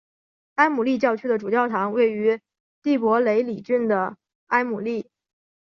埃姆利教区的主教堂位于蒂珀雷里郡的埃姆利。